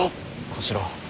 小四郎。